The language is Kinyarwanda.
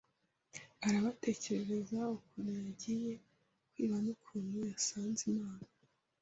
arabatekerereza ukuntu yagiye kwiba nukuntu yasanze Imana